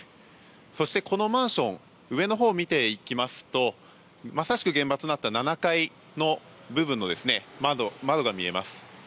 そして、このマンション上のほうを見ていきますとまさしく現場となった７階の部分の窓が見えます。